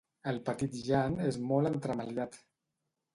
El petit Jan és molt entremaliat.